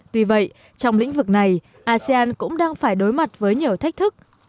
tuy vậy trong lĩnh vực này asean cũng đang phải đối mặt với nhiều thách thức